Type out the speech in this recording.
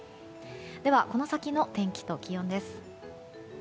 では、この先の天気と気温です。